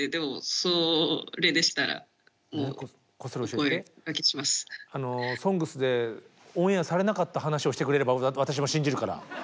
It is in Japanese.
「ＳＯＮＧＳ」でオンエアされなかった話をしてくれれば私も信じるから。